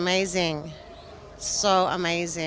dan saya suka menari